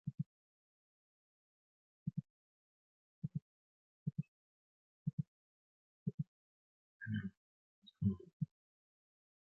A wnewch chwi fy nysgu i?